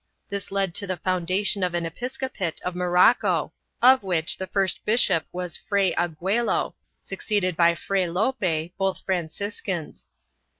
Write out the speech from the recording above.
This led to the foundation of an episcopate of Morocco, of which the first bishop was Fray Aguelo, succeeded by Fray Lope, both Franciscans.